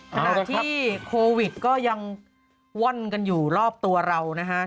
ขณะที่โควิดก็ยังว่อนกันอยู่รอบตัวเรานะฮะ